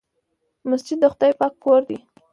مسجد د خدای پاک کور دی.